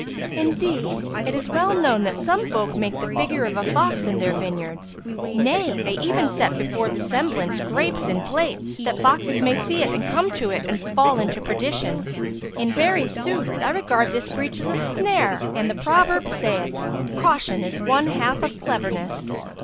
Indeed, it is well known that some folk make the figure of a fox in their vineyards; nay, they even set before the semblance grapes in plates, that foxes may see it and come to it and fall into perdition. In very sooth I regard this breach as a snare and the proverb saith, 'Caution is one half of cleverness.'